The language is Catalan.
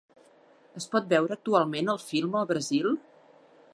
Es pot veure actualment el film al Brasil?